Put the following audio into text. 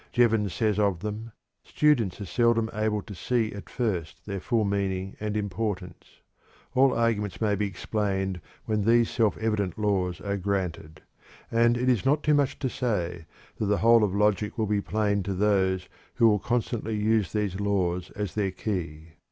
Jevons says of them: "Students are seldom able to see at first their full meaning and importance. All arguments may be explained when these self evident laws are granted; and it is not too much to say that the whole of logic will be plain to those who will constantly use these laws as their key."